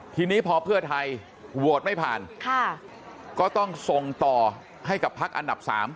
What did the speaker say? ทีนี้พอเพื่อไทยโหวตไม่ผ่านก็ต้องส่งต่อให้กับพักอันดับ๓